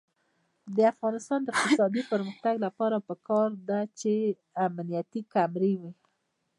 د افغانستان د اقتصادي پرمختګ لپاره پکار ده چې امنیتي کامرې وي.